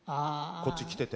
こっち来てて。